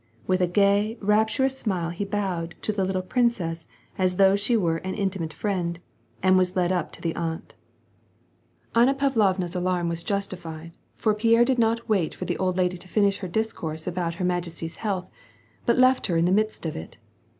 With a gay, rap turous smile he bowed to the little princess as though she were an intimate friend, and was led up to the aunt. WAR AND PEACE. 9 Anna Pavlovna's alarm was justified, for Pierre did not wait for the old lady to finish her discourse about her majesty's health, but left her in the midst of it.